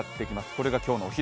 これが今日のお昼。